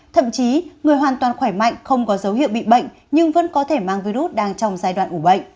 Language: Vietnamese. thậm chí người hoàn toàn khỏe mạnh không có dấu hiệu bị bệnh nhưng vẫn có thể mang virus đang trong giai đoạn ủ bệnh